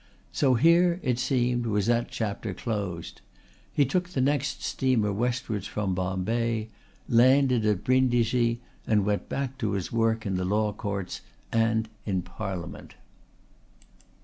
So here, it seemed, was that chapter closed. He took the next steamer westwards from Bombay, landed at Brindisi and went back to his work in the Law Courts and in Parliament.